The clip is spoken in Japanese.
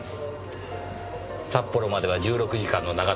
札幌までは１６時間の長旅です。